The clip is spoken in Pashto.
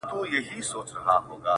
چي په لږ څه پوهیږي